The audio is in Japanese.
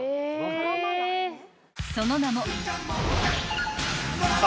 ［その名も］